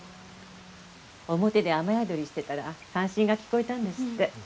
表で雨宿りしてたら三線が聞こえたんですって。